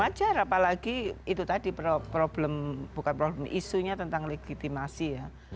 wajar apalagi itu tadi problem bukan problem isunya tentang legitimasi ya